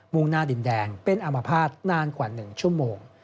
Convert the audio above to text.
่งหน้าดินแดงเป็นอามภาษณ์นานกว่า๑ชั่วโมง